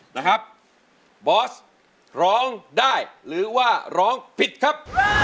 นะครับบอสร้องได้หรือว่าร้องผิดครับ